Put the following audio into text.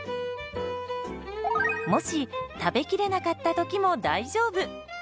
もし食べきれなかった時も大丈夫。